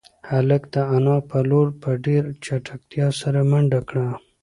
هلک د انا په لور په ډېرې چټکتیا سره منډه کړه.